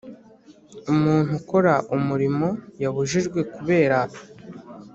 Umuntu ukora umurimo yabujijwe kubera